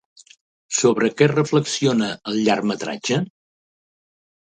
Sobre què reflexiona el llargmetratge?